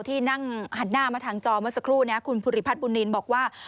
ที่นั่งหันหน้ามาทางจอเมื่อสักครู่นี้คุณภูริพัฒนบุญนินบอกว่า